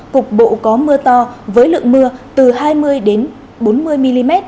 cục bộ có mưa to với lượng mưa từ hai mươi bốn mươi mm